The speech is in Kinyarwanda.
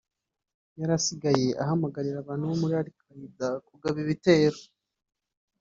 "Yari asigaye ahamagarira abantu bo muri Al Qaida kugaba ibitero